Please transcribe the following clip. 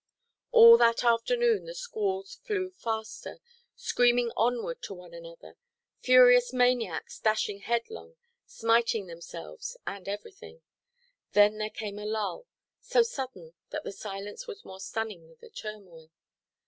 All that afternoon, the squalls flew faster, screaming onward to one another, furious maniacs dashing headlong, smiting themselves and everything. Then there came a lull. So sudden that the silence was more stunning than the turmoil.